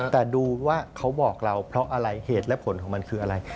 แต่ดูว่าเขาบอกเราเพราะอะไรเหตุและผลของมันคืออะไร